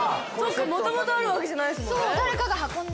もともとあるわけじゃないっすもんね。